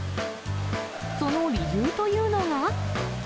その理由というのが。